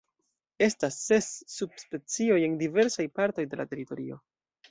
Estas ses subspecioj en diversaj partoj de la teritorio.